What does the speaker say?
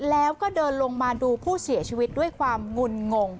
แล้วก็เดินลงมาดูผู้เสียชีวิตด้วยความงุนงง